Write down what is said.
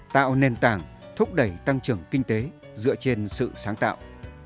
tạo nền tảng thúc đẩy tăng trưởng kinh tế dựa trên sự sáng tạo